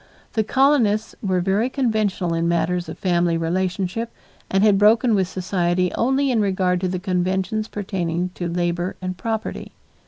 The colonists were very conventional in matters of family relationship and had broken with society only in regard to the conventions pertaining to labor and property.